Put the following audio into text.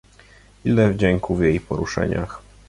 "ile wdzięku w jej poruszeniach!"